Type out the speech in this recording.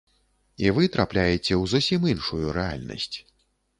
І вы трапляеце ў зусім іншую рэальнасць.